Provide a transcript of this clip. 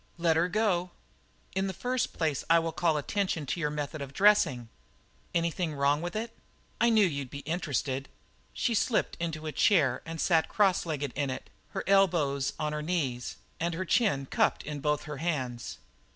"Let 'er go." "In the first place I will call attention to your method of dressing." "Anything wrong with it?" "I knew you'd be interested." She slipped into a chair and sat cross legged in it, her elbows on her knees and her chin cupped in both her hands.